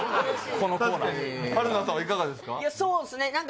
このコーナー春菜さんはいかがですか？